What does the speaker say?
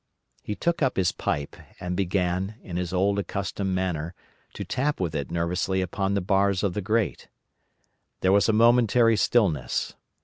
He took up his pipe, and began, in his old accustomed manner, to tap with it nervously upon the bars of the grate. There was a momentary stillness.